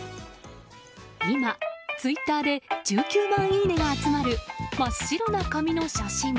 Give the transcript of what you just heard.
今、ツイッターで１９万いいねが集まる真っ白な紙の写真。